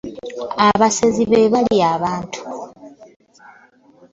Abasezi be balya abantu.